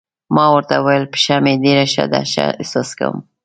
ما ورته وویل: پښه مې ډېره ښه ده، ښه احساس کوم.